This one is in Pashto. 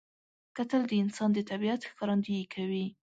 کتل د انسان د طبیعت ښکارندویي کوي